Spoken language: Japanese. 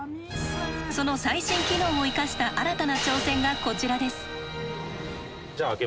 その最新機能を生かした新たな挑戦がこちらです。